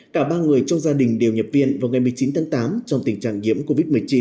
cả ba người trong gia đình đều nhập viện vào ngày một mươi chín tháng tám trong tình trạng nhiễm covid một mươi chín